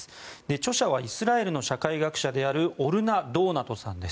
著者はイスラエルの社会学者であるオルナ・ドーナトさんです。